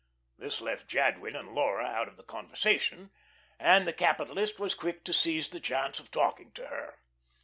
This left Jadwin and Laura out of the conversation, and the capitalist was quick to seize the chance of talking to her.